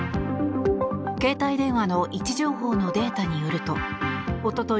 携帯電話の位置情報のデータによるとおととい